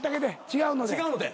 違うので？